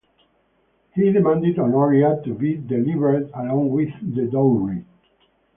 He demanded Honoria to be delivered along with the dowry.